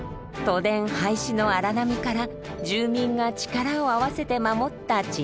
都電廃止の荒波から住民が力を合わせて守ったチンチン電車。